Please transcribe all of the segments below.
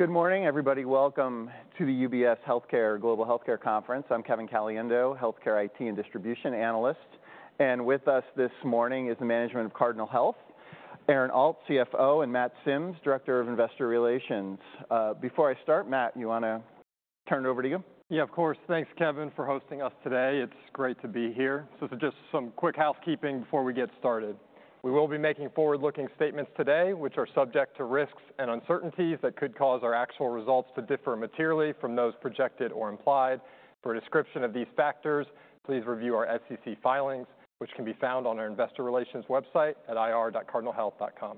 Good morning, everybody. Welcome to the UBS Healthcare Global Healthcare Conference. I'm Kevin Caliendo, Healthcare IT and Distribution Analyst. And with us this morning is the management of Cardinal Health, Aaron Alt, CFO, and Matt Sims, Director of Investor Relations. Before I start, Matt, you want to turn it over to you? Yeah, of course. Thanks, Kevin, for hosting us today. It's great to be here. So just some quick housekeeping before we get started. We will be making forward-looking statements today, which are subject to risks and uncertainties that could cause our actual results to differ materially from those projected or implied. For a description of these factors, please review our SEC filings, which can be found on our Investor Relations website at ir.cardinalhealth.com.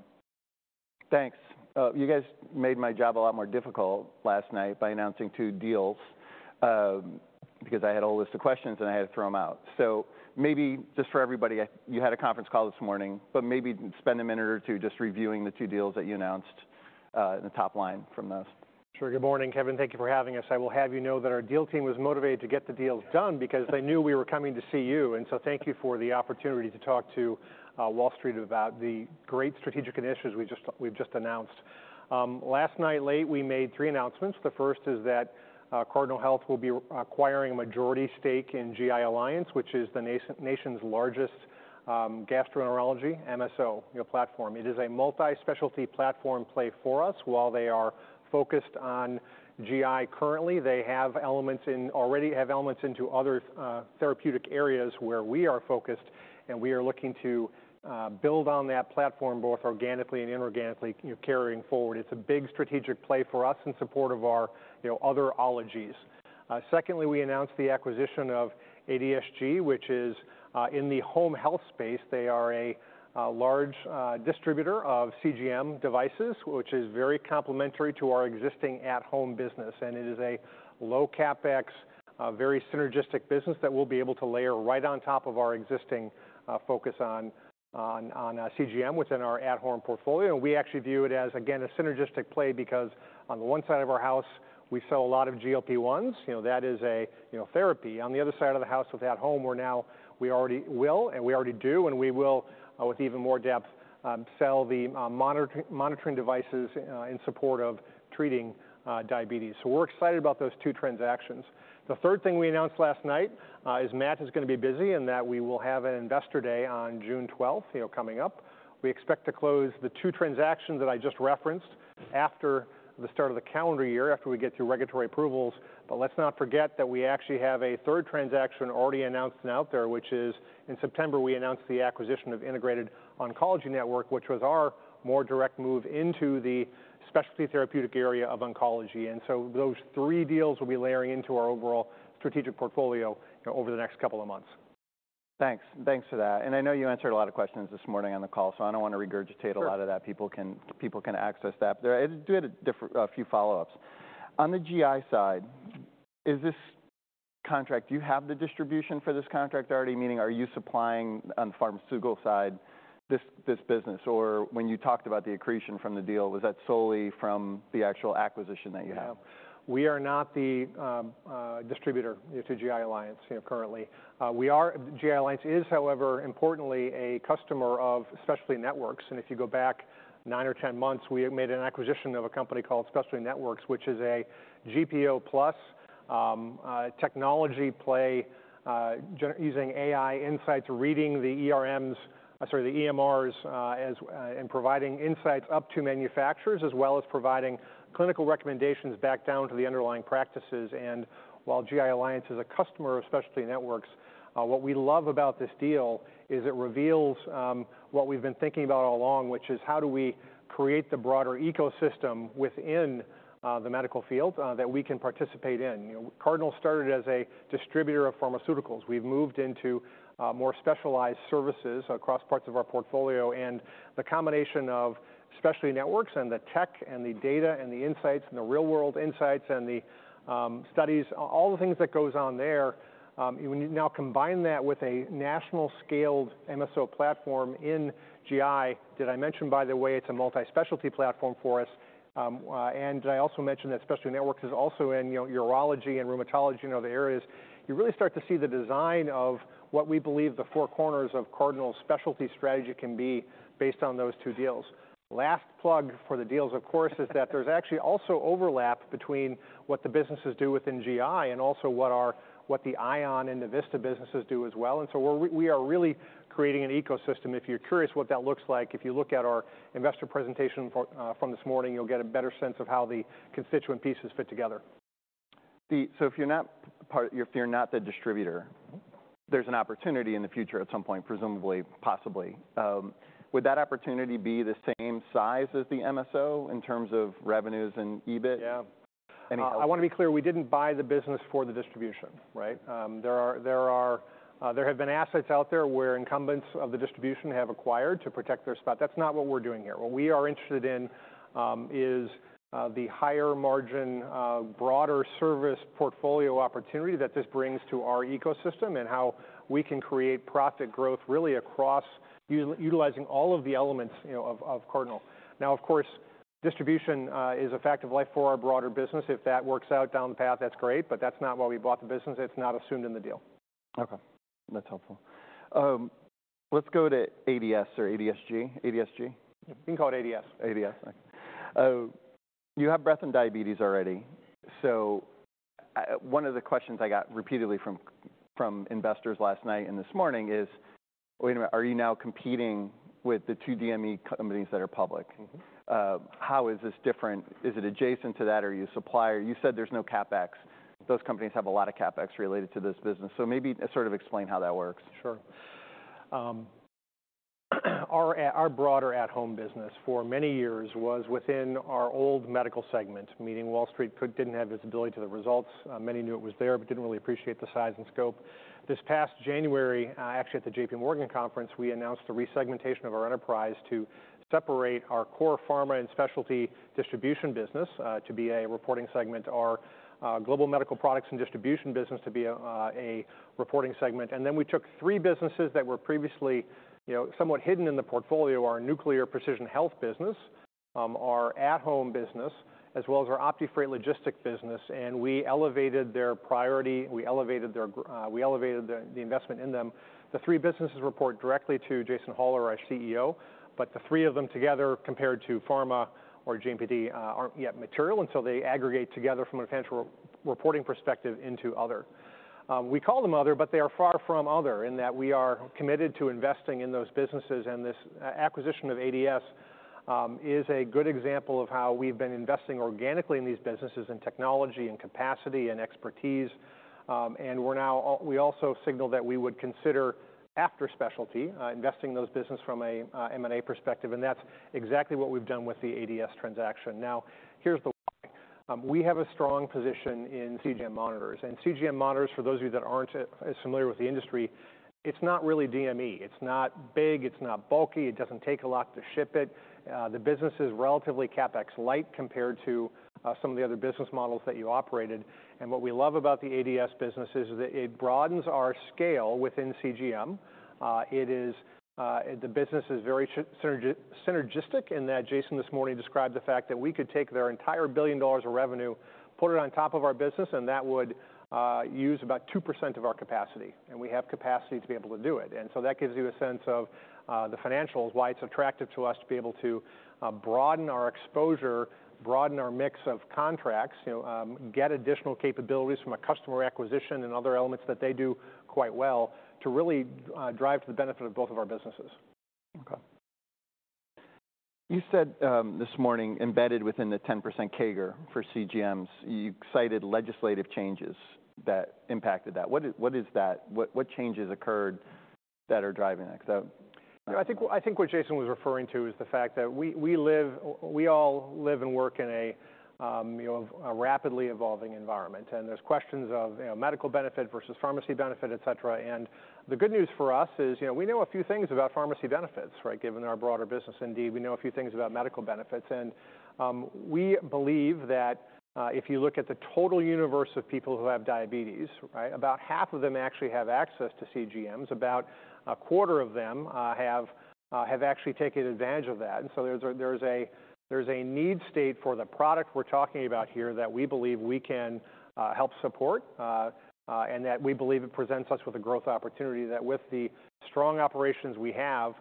Thanks. You guys made my job a lot more difficult last night by announcing two deals because I had a whole list of questions and I had to throw them out. So maybe just for everybody, you had a conference call this morning, but maybe spend a minute or two just reviewing the two deals that you announced and the top line from those. Sure. Good morning, Kevin. Thank you for having us. I will have you know that our deal team was motivated to get the deals done because they knew we were coming to see you. And so thank you for the opportunity to talk to Wall Street about the great strategic initiatives we've just announced. Last night late, we made three announcements. The first is that Cardinal Health will be acquiring a majority stake in GI Alliance, which is the nation's largest gastroenterology MSO platform. It is a multi-specialty platform play for us. While they are focused on GI currently, they already have elements into other therapeutic areas where we are focused. And we are looking to build on that platform both organically and inorganically, carrying forward. It's a big strategic play for us in support of our other ologies. Secondly, we announced the acquisition of ADSG, which is in the home health space. They are a large distributor of CGM devices, which is very complementary to our existing at-home business, and it is a low CapEx, very synergistic business that we'll be able to layer right on top of our existing focus on CGM within our at-home portfolio. And we actually view it as, again, a synergistic play because on the one side of our house, we sell a lot of GLP-1s. That is a therapy. On the other side of the house with at-home, we already will and we already do, and we will with even more depth sell the monitoring devices in support of treating diabetes, so we're excited about those two transactions. The third thing we announced last night is Matt is going to be busy and that we will have an investor day on June 12th coming up. We expect to close the two transactions that I just referenced after the start of the calendar year, after we get through regulatory approvals, but let's not forget that we actually have a third transaction already announced and out there, which is, in September, we announced the acquisition of Integrated Oncology Network, which was our more direct move into the specialty therapeutic area of oncology, and so those three deals will be layering into our overall strategic portfolio over the next couple of months. Thanks. Thanks for that. And I know you answered a lot of questions this morning on the call, so I don't want to regurgitate a lot of that. People can access that. But I do have a few follow-ups. On the GI side, do you have the distribution for this contract already? Meaning, are you supplying on the pharmaceutical side this business? Or when you talked about the accretion from the deal, was that solely from the actual acquisition that you have? We are not the distributor to GI Alliance currently. GI Alliance is, however, importantly, a customer of Specialty Networks, and if you go back nine or ten months, we made an acquisition of a company called Specialty Networks, which is a GPO-plus technology play using AI insights, reading the EMRs and providing insights up to manufacturers, as well as providing clinical recommendations back down to the underlying practices, and while GI Alliance is a customer of Specialty Networks, what we love about this deal is it reveals what we've been thinking about all along, which is how do we create the broader ecosystem within the medical field that we can participate in. Cardinal started as a distributor of pharmaceuticals. We've moved into more specialized services across parts of our portfolio. And the combination of Specialty Networks and the tech and the data and the insights and the real-world insights and the studies, all the things that goes on there, when you now combine that with a national-scaled MSO platform in GI. Did I mention, by the way, it's a multi-specialty platform for us? And did I also mention that Specialty Networks is also in urology and rheumatology and other areas? You really start to see the design of what we believe the four corners of Cardinal's specialty strategy can be based on those two deals. Last plug for the deals, of course, is that there's actually also overlap between what the businesses do within GI and also what the ION and the Navista businesses do as well. And so we are really creating an ecosystem. If you're curious what that looks like, if you look at our investor presentation from this morning, you'll get a better sense of how the constituent pieces fit together. So if you're not the distributor, there's an opportunity in the future at some point, presumably, possibly. Would that opportunity be the same size as the MSO in terms of revenues and EBIT? Yeah. I want to be clear. We didn't buy the business for the distribution. There have been assets out there where incumbents of the distribution have acquired to protect their spot. That's not what we're doing here. What we are interested in is the higher margin, broader service portfolio opportunity that this brings to our ecosystem and how we can create profit growth really across utilizing all of the elements of Cardinal. Now, of course, distribution is a fact of life for our broader business. If that works out down the path, that's great. But that's not why we bought the business. It's not assumed in the deal. Okay. That's helpful. Let's go to ADS or ADSG. ADSG? You can call it ADS. ADS. You have both and diabetes already. So one of the questions I got repeatedly from investors last night and this morning is, are you now competing with the two DME companies that are public? How is this different? Is it adjacent to that? Are you a supplier? You said there's no CapEx. Those companies have a lot of CapEx related to this business. So maybe sort of explain how that works. Sure. Our broader at-home business for many years was within our old medical segment, meaning Wall Street didn't have visibility to the results. Many knew it was there, but didn't really appreciate the size and scope. This past January, actually at the J.P. Morgan conference, we announced the resegmentation of our enterprise to separate our core pharma and specialty distribution business to be a reporting segment, our Global Medical Products and Distribution business to be a reporting segment, and then we took three businesses that were previously somewhat hidden in the portfolio, our nuclear precision health business, our at-home business, as well as our OptiFreight logistics business. And we elevated their priority. We elevated the investment in them. The three businesses report directly to Jason Hollar, our CEO. But the three of them together compared to pharma or GMPD aren't yet material until they aggregate together from a financial reporting perspective into other. We call them other, but they are far from other in that we are committed to investing in those businesses. And this acquisition of ADSG is a good example of how we've been investing organically in these businesses and technology and capacity and expertise. And we also signaled that we would consider after specialty investing in those businesses from an M&A perspective. And that's exactly what we've done with the ADSG transaction. Now, here's the why. We have a strong position in CGM monitors. And CGM monitors, for those of you that aren't as familiar with the industry, it's not really DME. It's not big. It's not bulky. It doesn't take a lot to ship it. The business is relatively CapEx light compared to some of the other business models that you operated. And what we love about the ADS business is that it broadens our scale within CGM. The business is very synergistic in that Jason this morning described the fact that we could take their entire $1 billion of revenue, put it on top of our business, and that would use about 2% of our capacity. And we have capacity to be able to do it. And so that gives you a sense of the financials, why it's attractive to us to be able to broaden our exposure, broaden our mix of contracts, get additional capabilities from a customer acquisition and other elements that they do quite well to really drive to the benefit of both of our businesses. Okay. You said this morning, embedded within the 10% CAGR for CGMs, you cited legislative changes that impacted that. What changes occurred that are driving that? I think what Jason was referring to is the fact that we all live and work in a rapidly evolving environment, and there's questions of medical benefit versus pharmacy benefit, et cetera, and the good news for us is we know a few things about pharmacy benefits, given our broader business indeed. We know a few things about medical benefits, and we believe that if you look at the total universe of people who have diabetes, about half of them actually have access to CGMs. About a quarter of them have actually taken advantage of that. And so there's a need state for the product we're talking about here that we believe we can help support, and that we believe it presents us with a growth opportunity that, with the strong operations we have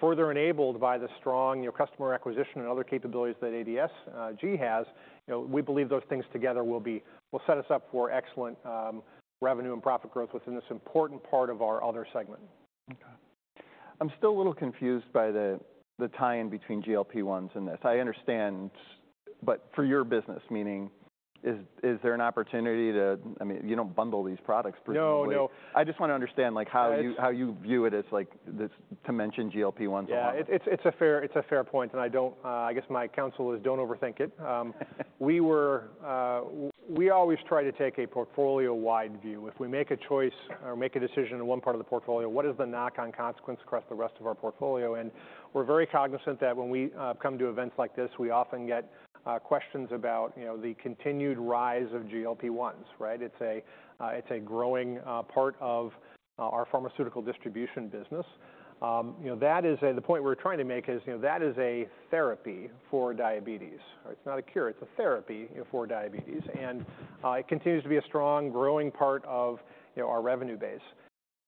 further enabled by the strong customer acquisition and other capabilities that ADSG has, we believe those things together will set us up for excellent revenue and profit growth within this important part of our other segment. Okay. I'm still a little confused by the tie-in between GLP-1s and this. I understand, but for your business, meaning, is there an opportunity to, I mean, you don't bundle these products per se, right? No, no. I just want to understand how you view it as to mention GLP-1s a lot? Yeah. It's a fair point. And I guess my counsel is don't overthink it. We always try to take a portfolio-wide view. If we make a choice or make a decision in one part of the portfolio, what is the knock-on consequence across the rest of our portfolio? And we're very cognizant that when we come to events like this, we often get questions about the continued rise of GLP-1s. It's a growing part of our pharmaceutical distribution business. The point we're trying to make is that is a therapy for diabetes. It's not a cure. It's a therapy for diabetes. And it continues to be a strong growing part of our revenue base.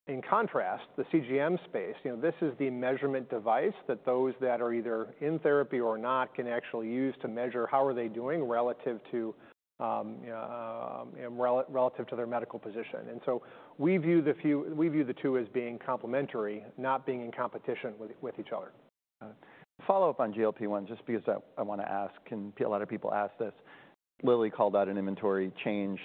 In contrast, the CGM space, this is the measurement device that those that are either in therapy or not can actually use to measure how are they doing relative to their medical position. And so we view the two as being complementary, not being in competition with each other. Follow-up on GLP-1s, just because I want to ask, a lot of people ask this. Lilly called out an inventory change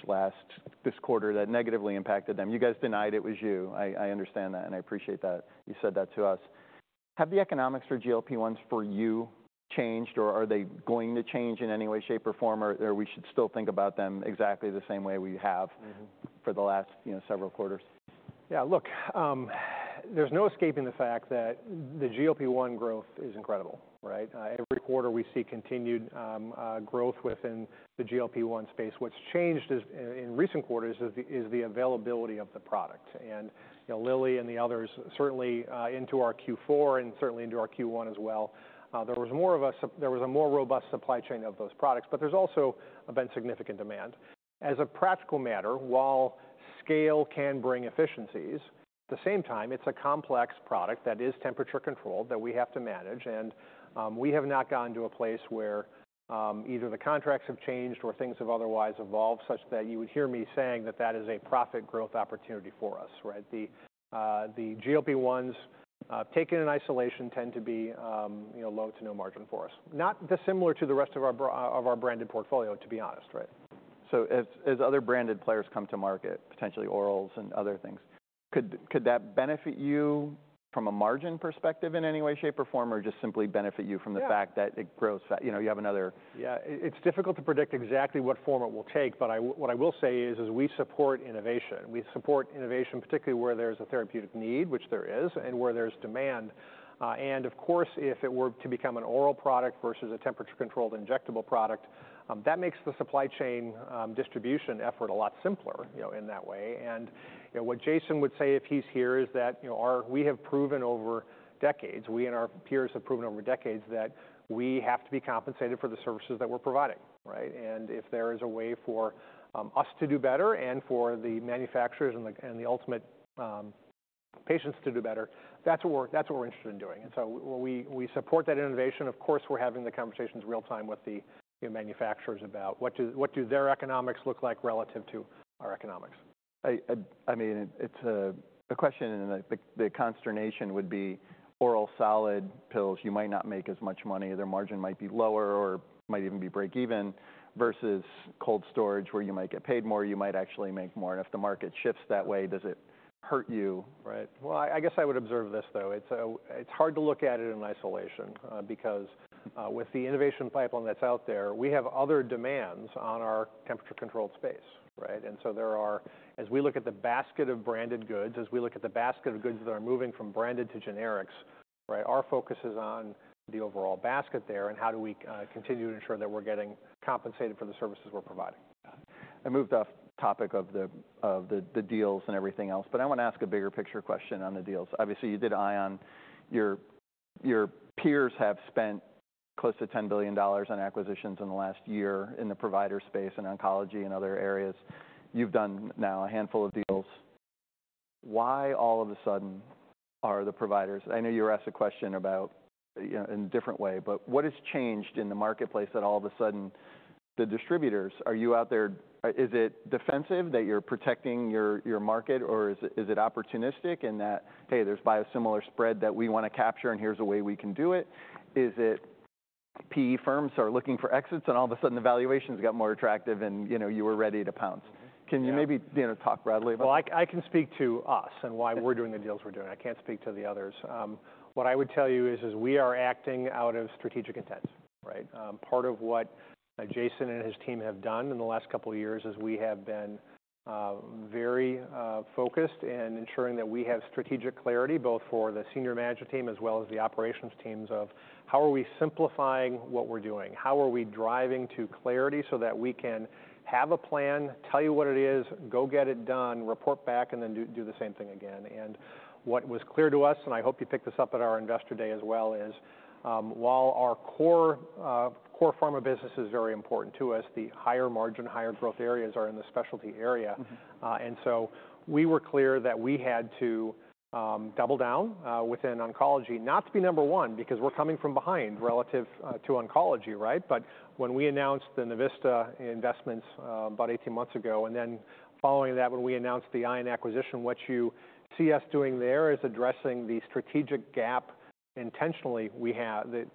this quarter that negatively impacted them. You guys denied it was you. I understand that. And I appreciate that you said that to us. Have the economics for GLP-1s for you changed or are they going to change in any way, shape, or form, or we should still think about them exactly the same way we have for the last several quarters? Yeah. Look, there's no escaping the fact that the GLP-1 growth is incredible. Every quarter we see continued growth within the GLP-1 space. What's changed in recent quarters is the availability of the product. And Eli Lilly and the others, certainly into our Q4 and certainly into our Q1 as well, there was a more robust supply chain of those products. But there's also been significant demand. As a practical matter, while scale can bring efficiencies, at the same time, it's a complex product that is temperature controlled that we have to manage. And we have not gone to a place where either the contracts have changed or things have otherwise evolved such that you would hear me saying that that is a profit growth opportunity for us. The GLP-1s, taken in isolation, tend to be low to no margin for us, not dissimilar to the rest of our branded portfolio, to be honest. So as other branded players come to market, potentially orals and other things, could that benefit you from a margin perspective in any way, shape, or form, or just simply benefit you from the fact that it grows? You have another. Yeah. It's difficult to predict exactly what form it will take. But what I will say is we support innovation. We support innovation, particularly where there's a therapeutic need, which there is, and where there's demand. And of course, if it were to become an oral product versus a temperature-controlled injectable product, that makes the supply chain distribution effort a lot simpler in that way. And what Jason would say if he's here is that we have proven over decades, we and our peers have proven over decades that we have to be compensated for the services that we're providing. And if there is a way for us to do better and for the manufacturers and the ultimate patients to do better, that's what we're interested in doing. And so we support that innovation. Of course, we're having the conversations real-time with the manufacturers about what do their economics look like relative to our economics. I mean, it's a question. And the consternation would be oral solid pills, you might not make as much money. Their margin might be lower or might even be break-even versus cold storage where you might get paid more, you might actually make more. And if the market shifts that way, does it hurt you? Right. I guess I would observe this, though. It's hard to look at it in isolation because with the innovation pipeline that's out there, we have other demands on our temperature-controlled space. And so as we look at the basket of branded goods, as we look at the basket of goods that are moving from branded to generics, our focus is on the overall basket there and how do we continue to ensure that we're getting compensated for the services we're providing. I moved off topic of the deals and everything else. But I want to ask a bigger picture question on the deals. Obviously, you did ION. Your peers have spent close to $10 billion on acquisitions in the last year in the provider space and oncology and other areas. You've done now a handful of deals. Why all of a sudden are the providers? I know you were asked a question in a different way, but what has changed in the marketplace that all of a sudden the distributors, are you out there? Is it defensive that you're protecting your market, or is it opportunistic in that, hey, there's biosimilar spread that we want to capture and here's a way we can do it? Is it PE firms are looking for exits and all of a sudden the valuation has gotten more attractive and you were ready to pounce? Can you maybe talk broadly about that? I can speak to us and why we're doing the deals we're doing. I can't speak to the others. What I would tell you is we are acting out of strategic intent. Part of what Jason and his team have done in the last couple of years is we have been very focused in ensuring that we have strategic clarity both for the senior management team as well as the operations teams of how are we simplifying what we're doing? How are we driving to clarity so that we can have a plan, tell you what it is, go get it done, report back, and then do the same thing again? What was clear to us, and I hope you picked this up at our investor day as well, is while our core pharma business is very important to us, the higher margin, higher growth areas are in the specialty area. So we were clear that we had to double down within oncology, not to be number one because we're coming from behind relative to oncology. But when we announced the Navista investments about 18 months ago, and then following that, when we announced the ION acquisition, what you see us doing there is addressing the strategic gap intentionally that we have in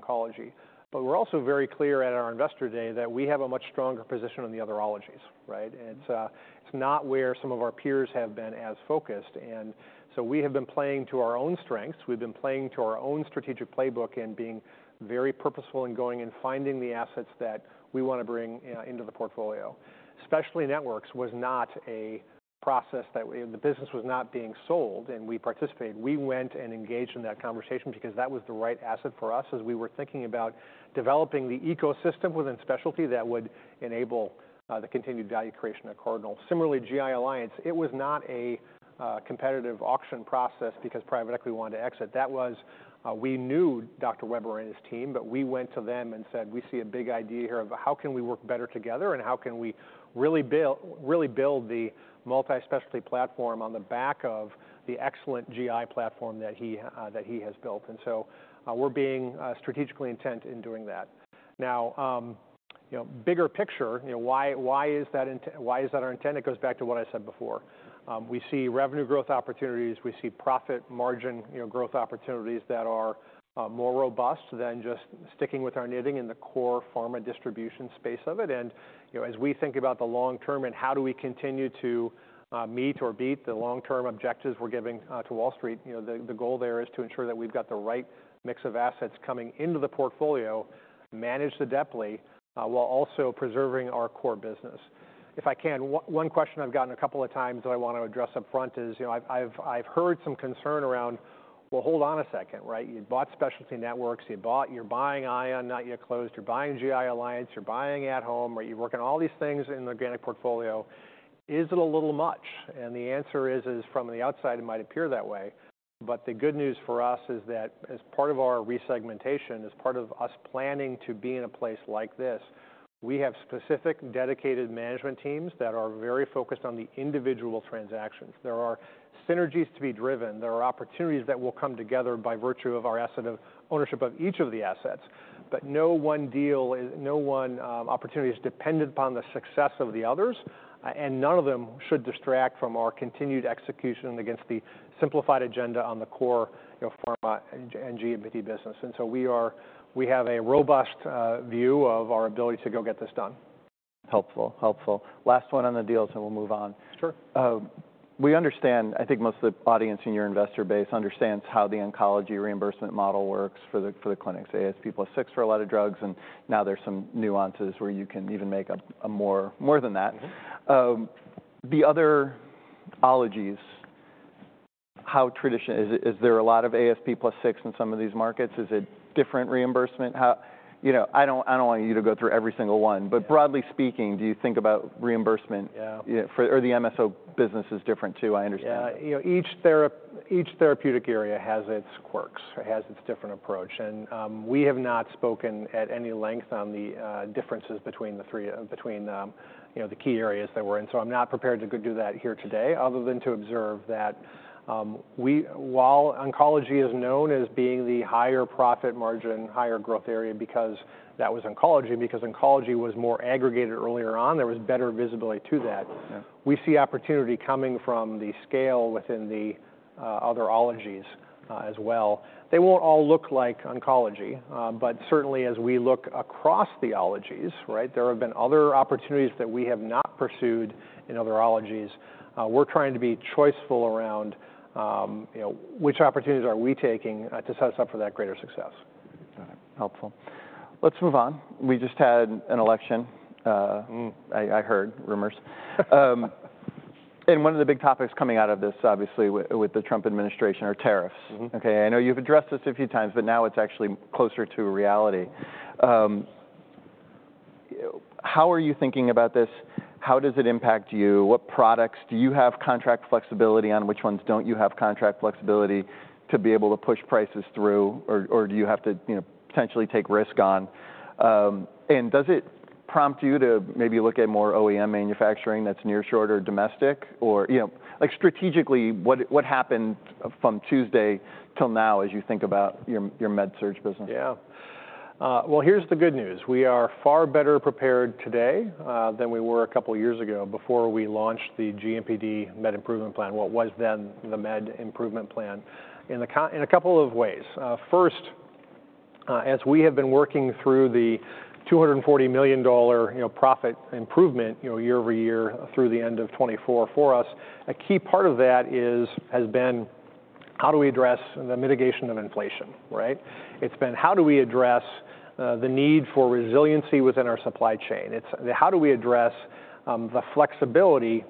oncology. But we're also very clear at our investor day that we have a much stronger position in the urologies. It's not where some of our peers have been as focused. And so we have been playing to our own strengths. We've been playing to our own strategic playbook and being very purposeful in going and finding the assets that we want to bring into the portfolio. Specialty Networks was not a process. The business was being sold and we participated. We went and engaged in that conversation because that was the right asset for us as we were thinking about developing the ecosystem within specialty that would enable the continued value creation at Cardinal. Similarly, GI Alliance, it was not a competitive auction process because private equity wanted to exit. That was, we knew Dr. Weber and his team, but we went to them and said, we see a big idea here of how can we work better together and how can we really build the multi-specialty platform on the back of the excellent GI platform that he has built. So we're being strategically intent in doing that. Now, bigger picture, why is that our intent? It goes back to what I said before. We see revenue growth opportunities. We see profit margin growth opportunities that are more robust than just sticking with our knitting in the core pharma distribution space of it. And as we think about the long term and how do we continue to meet or beat the long-term objectives we're giving to Wall Street, the goal there is to ensure that we've got the right mix of assets coming into the portfolio, manage the debt lightly while also preserving our core business. If I can, one question I've gotten a couple of times that I want to address upfront is I've heard some concern around, well, hold on a second. You bought Specialty Networks. You're buying ION, not yet closed. You're buying GI Alliance. You're buying At Home. You're working all these things in the organic portfolio. Is it a little much? And the answer is, from the outside, it might appear that way. But the good news for us is that as part of our resegmentation, as part of us planning to be in a place like this, we have specific dedicated management teams that are very focused on the individual transactions. There are synergies to be driven. There are opportunities that will come together by virtue of our ownership of each of the assets. But no one deal, no one opportunity is dependent upon the success of the others. And none of them should distract from our continued execution against the simplified agenda on the core pharma and GMP business. And so we have a robust view of our ability to go get this done. Helpful. Helpful. Last one on the deals, and we'll move on. Sure. We understand, I think most of the audience in your investor base understands how the oncology reimbursement model works for the clinics. ASP+6 for a lot of drugs. And now there's some nuances where you can even make more than that. The other ologies, is there a lot of ASP+6 in some of these markets? Is it different reimbursement? I don't want you to go through every single one. But broadly speaking, do you think about reimbursement? Or the MSO business is different too, I understand. Yeah. Each therapeutic area has its quirks, has its different approach. And we have not spoken at any length on the differences between the key areas that we're in. So I'm not prepared to do that here today other than to observe that while oncology is known as being the higher profit margin, higher growth area because that was oncology, because oncology was more aggregated earlier on, there was better visibility to that. We see opportunity coming from the scale within the other ologies as well. They won't all look like oncology. But certainly, as we look across the ologies, there have been other opportunities that we have not pursued in other ologies. We're trying to be choiceful around which opportunities are we taking to set us up for that greater success. Got it. Helpful. Let's move on. We just had an election, I heard, rumors, and one of the big topics coming out of this, obviously, with the Trump administration, are tariffs. I know you've addressed this a few times, but now it's actually closer to reality. How are you thinking about this? How does it impact you? What products do you have contract flexibility on? Which ones don't you have contract flexibility to be able to push prices through? Or do you have to potentially take risk on? And does it prompt you to maybe look at more OEM manufacturing that's nearshored domestic? Or strategically, what happened from Tuesday till now as you think about your Med-Surg business? Yeah. Well, here's the good news. We are far better prepared today than we were a couple of years ago before we launched the GMPD Improvement Plan, what was then the Med Improvement Plan, in a couple of ways. First, as we have been working through the $240 million profit improvement year over year through the end of 2024 for us, a key part of that has been how do we address the mitigation of inflation? It's been how do we address the need for resiliency within our supply chain? It's how do we address the flexibility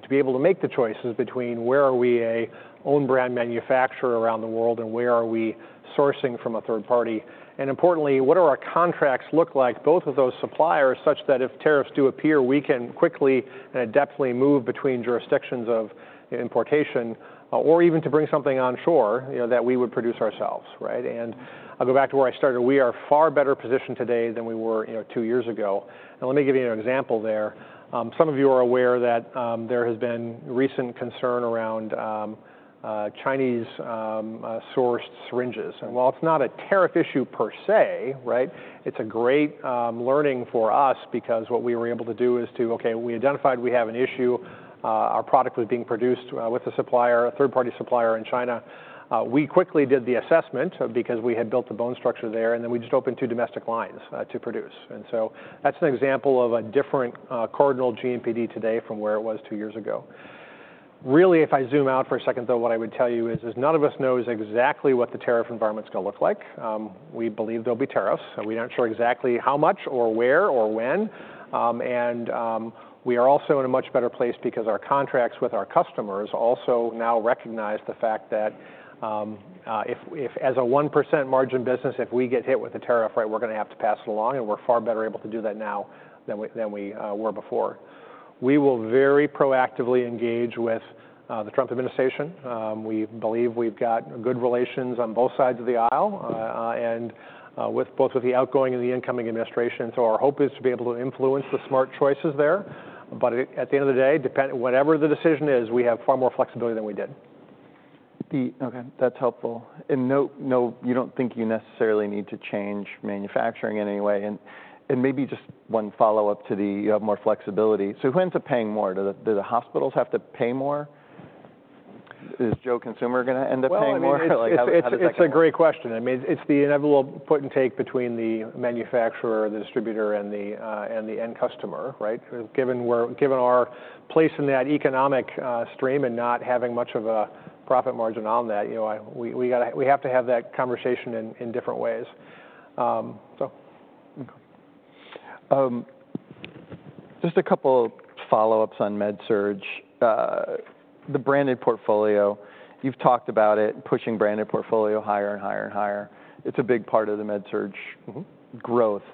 to be able to make the choices between where are we an own brand manufacturer around the world and where are we sourcing from a third party? Importantly, what do our contracts look like both with those suppliers such that if tariffs do appear, we can quickly and adeptly move between jurisdictions of importation or even to bring something onshore that we would produce ourselves? I'll go back to where I started. We are far better positioned today than we were two years ago. Let me give you an example there. Some of you are aware that there has been recent concern around Chinese-sourced syringes. While it's not a tariff issue per se, it's a great learning for us because what we were able to do is to, okay, we identified we have an issue. Our product was being produced with a supplier, a third-party supplier in China. We quickly did the assessment because we had built the bone structure there. Then we just opened two domestic lines to produce. That's an example of a different Cardinal GMPD today from where it was two years ago. Really, if I zoom out for a second, though, what I would tell you is none of us knows exactly what the tariff environment's going to look like. We believe there'll be tariffs. We aren't sure exactly how much or where or when. We are also in a much better place because our contracts with our customers also now recognize the fact that if as a 1% margin business, if we get hit with a tariff, we're going to have to pass it along. We're far better able to do that now than we were before. We will very proactively engage with the Trump administration. We believe we've got good relations on both sides of the aisle both with the outgoing and the incoming administration. So our hope is to be able to influence the smart choices there. But at the end of the day, whatever the decision is, we have far more flexibility than we did. Okay. That's helpful. And you don't think you necessarily need to change manufacturing in any way. And maybe just one follow-up to the you have more flexibility. So who ends up paying more? Do the hospitals have to pay more? Is Joe Consumer going to end up paying more? It's a great question. I mean, it's the inevitable put and take between the manufacturer, the distributor, and the end customer. Given our place in that economic stream and not having much of a profit margin on that, we have to have that conversation in different ways. Just a couple of follow-ups on Med-Surg. The branded portfolio, you've talked about it, pushing branded portfolio higher and higher and higher. It's a big part of the Med-Surg growth.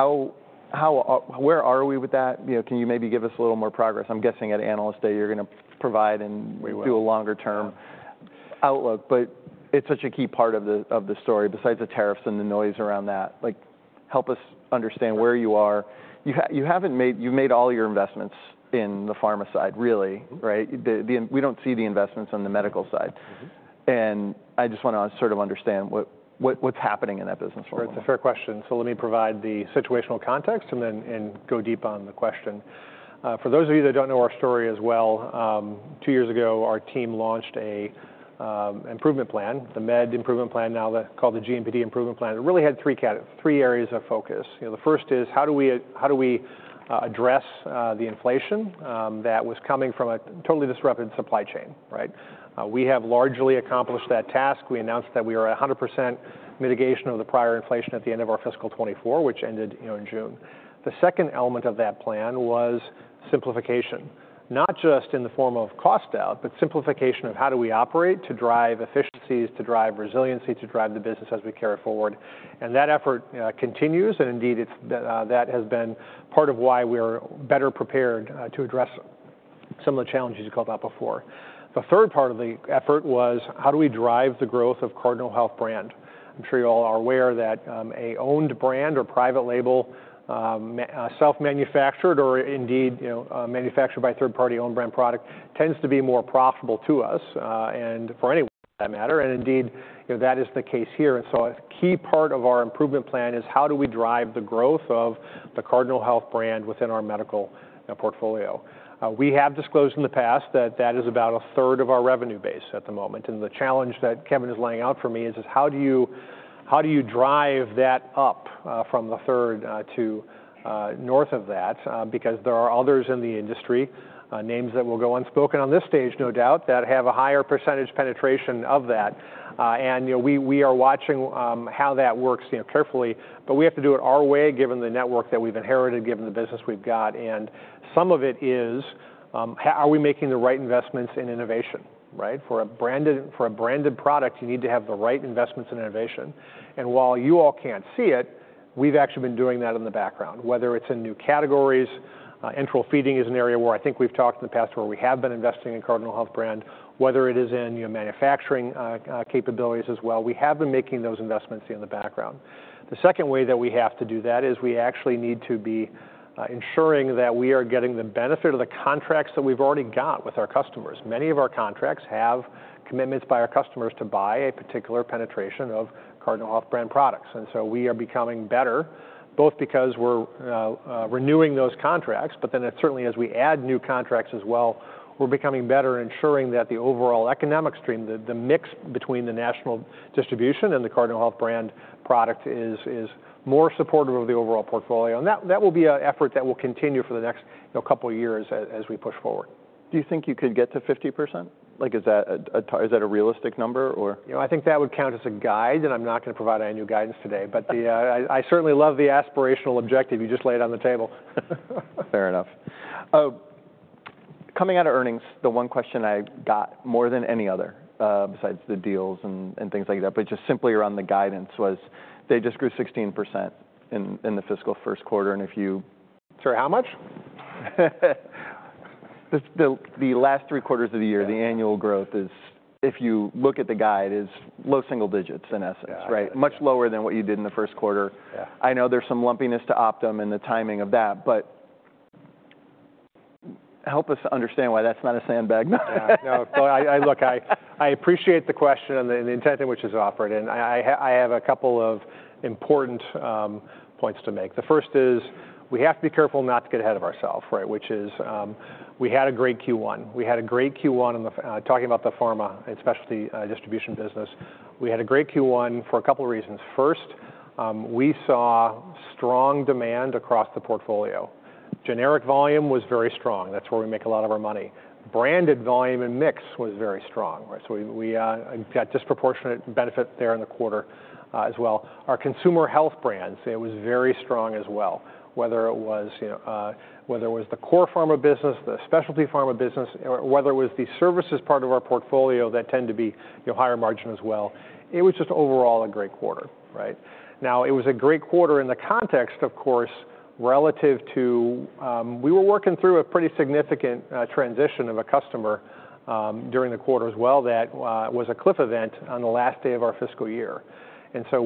Where are we with that? Can you maybe give us a little more progress? I'm guessing at Analyst Day you're going to provide and do a longer-term outlook. But it's such a key part of the story besides the tariffs and the noise around that. Help us understand where you are. You've made all your investments in the pharma side, really. We don't see the investments on the medical side, and I just want to sort of understand what's happening in that business world. That's a fair question. So let me provide the situational context and then go deep on the question. For those of you that don't know our story as well, two years ago, our team launched an improvement plan, the Med Improvement Plan, now called the GMPD Improvement Plan. It really had three areas of focus. The first is how do we address the inflation that was coming from a totally disrupted supply chain? We have largely accomplished that task. We announced that we are 100% mitigation of the prior inflation at the end of our fiscal 2024, which ended in June. The second element of that plan was simplification, not just in the form of cost out, but simplification of how do we operate to drive efficiencies, to drive resiliency, to drive the business as we carry forward. And that effort continues. And indeed, that has been part of why we are better prepared to address some of the challenges you called out before. The third part of the effort was how do we drive the growth of Cardinal Health Brand? I'm sure you all are aware that an owned brand or private label, self-manufactured or indeed manufactured by third-party owned brand product tends to be more profitable to us and for anyone for that matter. And indeed, that is the case here. And so a key part of our improvement plan is how do we drive the growth of the Cardinal Health Brand within our medical portfolio? We have disclosed in the past that that is about a third of our revenue base at the moment. And the challenge that Kevin is laying out for me is how do you drive that up from the third to north of that? Because there are others in the industry, names that will go unspoken on this stage, no doubt, that have a higher percentage penetration of that. And we are watching how that works carefully. But we have to do it our way given the network that we've inherited, given the business we've got. And some of it is, are we making the right investments in innovation? For a branded product, you need to have the right investments in innovation. And while you all can't see it, we've actually been doing that in the background, whether it's in new categories. Enteral feeding is an area where I think we've talked in the past where we have been investing in Cardinal Health Brand, whether it is in manufacturing capabilities as well. We have been making those investments in the background. The second way that we have to do that is we actually need to be ensuring that we are getting the benefit of the contracts that we've already got with our customers. Many of our contracts have commitments by our customers to buy a particular penetration of Cardinal Health brand products. And so we are becoming better both because we're renewing those contracts, but then certainly as we add new contracts as well, we're becoming better in ensuring that the overall economic stream, the mix between the national distribution and the Cardinal Health brand product is more supportive of the overall portfolio. And that will be an effort that will continue for the next couple of years as we push forward. Do you think you could get to 50%? Is that a realistic number? I think that would count as a guide, and I'm not going to provide any new guidance today, but I certainly love the aspirational objective you just laid on the table. Fair enough. Coming out of earnings, the one question I got more than any other besides the deals and things like that, but just simply around the guidance was they just grew 16% in the fiscal first quarter. And if you. Sorry, how much? The last three quarters of the year, the annual growth is, if you look at the guide, low single digits in essence, much lower than what you did in the first quarter. I know there's some lumpiness to Optum and the timing of that. But help us understand why that's not a sandbag. No. So I appreciate the question and the intent in which it's offered. And I have a couple of important points to make. The first is we have to be careful not to get ahead of ourselves, which is we had a great Q1. We had a great Q1 talking about the pharma and specialty distribution business. We had a great Q1 for a couple of reasons. First, we saw strong demand across the portfolio. Generic volume was very strong. That's where we make a lot of our money. Branded volume and mix was very strong. So we got disproportionate benefit there in the quarter as well. Our consumer health brands, it was very strong as well, whether it was the core pharma business, the specialty pharma business, or whether it was the services part of our portfolio that tend to be higher margin as well. It was just overall a great quarter. Now, it was a great quarter in the context, of course, relative to we were working through a pretty significant transition of a customer during the quarter as well that was a cliff event on the last day of our fiscal year, and so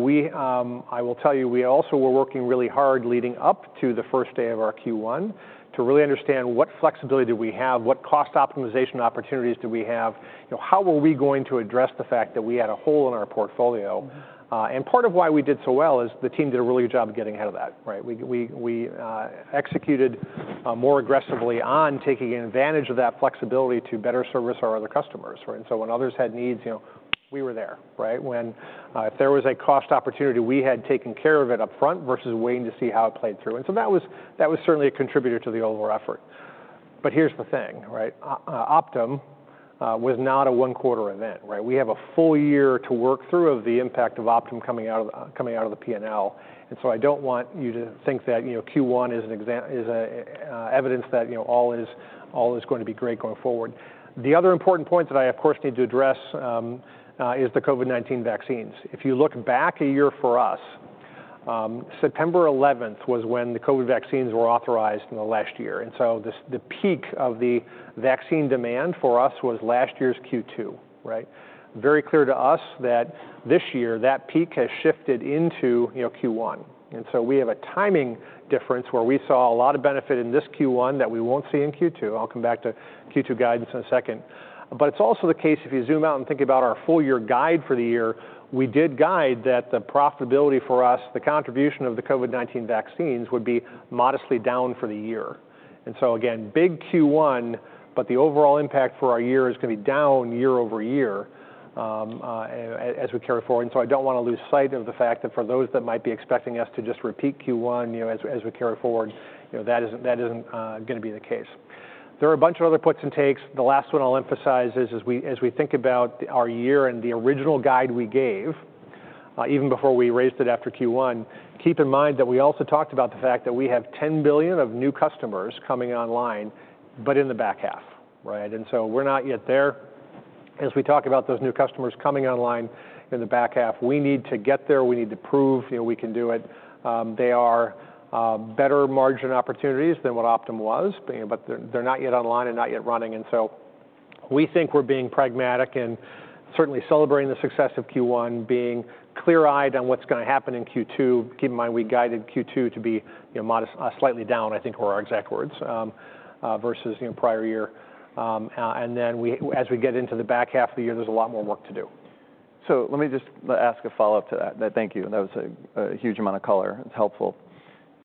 I will tell you, we also were working really hard leading up to the first day of our Q1 to really understand what flexibility did we have, what cost optimization opportunities did we have, how were we going to address the fact that we had a hole in our portfolio, and part of why we did so well is the team did a really good job of getting ahead of that. We executed more aggressively on taking advantage of that flexibility to better service our other customers, and so when others had needs, we were there. If there was a cost opportunity, we had taken care of it upfront versus waiting to see how it played through. And so that was certainly a contributor to the overall effort. But here's the thing. Optum was not a one-quarter event. We have a full year to work through of the impact of Optum coming out of the P&L. And so I don't want you to think that Q1 is evidence that all is going to be great going forward. The other important point that I, of course, need to address is the COVID-19 vaccines. If you look back a year for us, September 11th was when the COVID vaccines were authorized in the last year. And so the peak of the vaccine demand for us was last year's Q2. Very clear to us that this year that peak has shifted into Q1. And so we have a timing difference where we saw a lot of benefit in this Q1 that we won't see in Q2. I'll come back to Q2 guidance in a second. But it's also the case if you zoom out and think about our full year guide for the year, we did guide that the profitability for us, the contribution of the COVID-19 vaccines would be modestly down for the year. And so again, big Q1, but the overall impact for our year is going to be down year over year as we carry forward. And so I don't want to lose sight of the fact that for those that might be expecting us to just repeat Q1 as we carry forward, that isn't going to be the case. There are a bunch of other puts and takes. The last one I'll emphasize is as we think about our year and the original guide we gave even before we raised it after Q1. Keep in mind that we also talked about the fact that we have $10 billion of new customers coming online, but in the back half. And so we're not yet there. As we talk about those new customers coming online in the back half, we need to get there. We need to prove we can do it. They are better margin opportunities than what Optum was, but they're not yet online and not yet running. And so we think we're being pragmatic and certainly celebrating the success of Q1, being clear-eyed on what's going to happen in Q2. Keep in mind we guided Q2 to be slightly down. I think "were" our exact words versus prior year. And then as we get into the back half of the year, there's a lot more work to do. So let me just ask a follow-up to that. Thank you. That was a huge amount of color. It's helpful.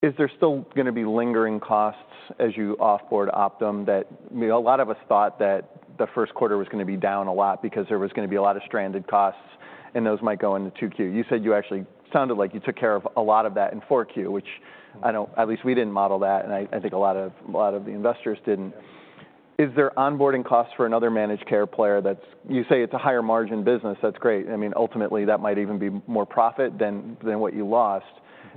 Is there still going to be lingering costs as you offboard Optum that a lot of us thought that the first quarter was going to be down a lot because there was going to be a lot of stranded costs and those might go into Q2? You said you actually sounded like you took care of a lot of that in Q4, which at least we didn't model that. And I think a lot of the investors didn't. Is there onboarding costs for another managed care player that you say it's a higher margin business? That's great. I mean, ultimately, that might even be more profit than what you lost.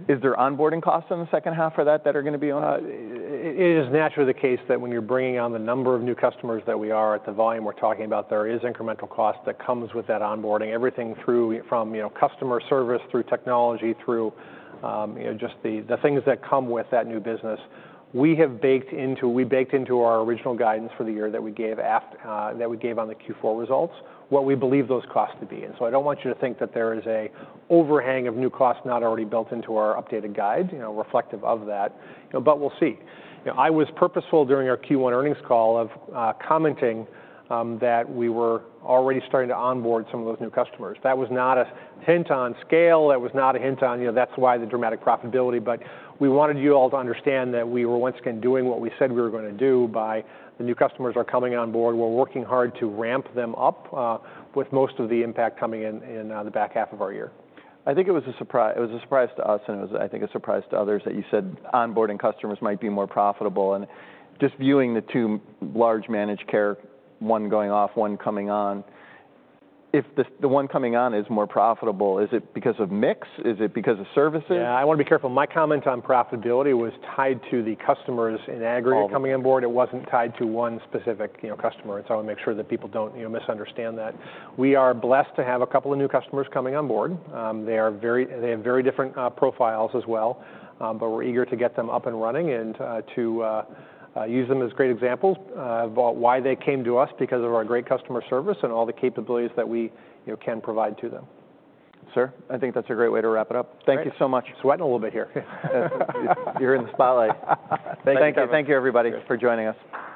Is there onboarding costs in the second half for that are going to be? It is naturally the case that when you're bringing on the number of new customers that we are at the volume we're talking about, there is incremental cost that comes with that onboarding, everything from customer service through technology through just the things that come with that new business. We baked into our original guidance for the year that we gave on the Q4 results what we believe those costs to be. And so I don't want you to think that there is an overhang of new costs not already built into our updated guide reflective of that. But we'll see. I was purposeful during our Q1 earnings call of commenting that we were already starting to onboard some of those new customers. That was not a hint on scale. That was not a hint on that's why the dramatic profitability. But we wanted you all to understand that we were once again doing what we said we were going to do because the new customers are coming on board. We're working hard to ramp them up, with most of the impact coming in the back half of our year. I think it was a surprise to us. And it was, I think, a surprise to others that you said onboarding customers might be more profitable. And just viewing the two large managed care, one going off, one coming on, if the one coming on is more profitable, is it because of mix? Is it because of services? Yeah. I want to be careful. My comment on profitability was tied to the customers in aggregate coming on board. It wasn't tied to one specific customer. And so I want to make sure that people don't misunderstand that. We are blessed to have a couple of new customers coming on board. They have very different profiles as well. But we're eager to get them up and running and to use them as great examples of why they came to us because of our great customer service and all the capabilities that we can provide to them. Sir, I think that's a great way to wrap it up. Thank you so much. Sweating a little bit here. You're in the spotlight. Thank you. Thank you, everybody, for joining us.